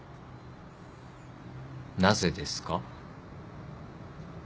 なぜですか？